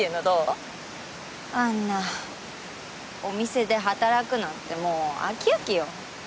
あんなお店で働くなんてもう飽き飽きよ。